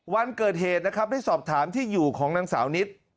วันเกิดเหตุนะครับได้สอบถามที่อยู่ของนางสาวนิด